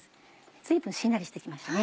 随分しんなりして来ましたね。